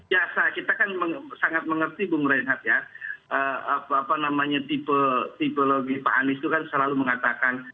ya kita kan sangat mengerti bung reinhardt ya apa namanya tipe tipologi pak anies itu kan selalu mengatakan